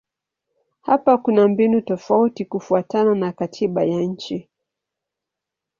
Hapa kuna mbinu tofauti kufuatana na katiba ya nchi.